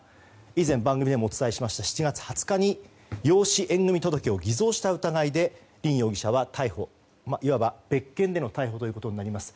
以前、番組でもお伝えしました７月２０日に養子縁組届を偽造した疑いで凜容疑者は逮捕いわば別件での逮捕ということになります。